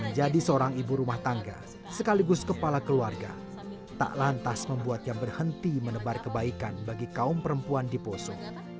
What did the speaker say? menjadi seorang ibu rumah tangga sekaligus kepala keluarga tak lantas membuatnya berhenti menebar kebaikan bagi kaum perempuan di poso